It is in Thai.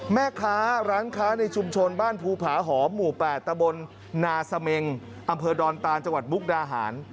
แม่ค้าร้านค้าในชุมชนบ้านภูผาหอมหมู่๘ตะบนนาเสมงอำเภอดอนตานจังหวัดมุกดาหาร